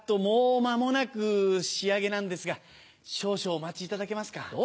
もう間もなく仕上げなんですが少々お待ちいただけますか？